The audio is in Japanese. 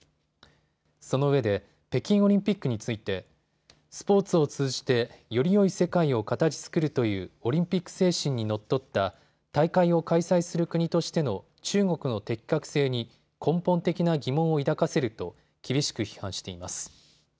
そのうえで北京オリンピックについてスポーツを通じてよりよい世界を形づくるというオリンピック精神にのっとった大会を開催する国としての中国の適格性に根本的な疑問を抱かせると厳しく批判しています。